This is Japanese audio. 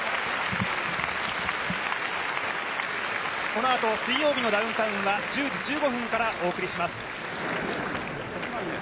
このあと、「水曜日のダウンタウン」は１０時１５分からお送りします。